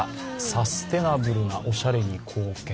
サステナブルなおしゃれに貢献。